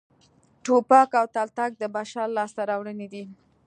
ټوپک او تلتک د بشر لاسته راوړنې دي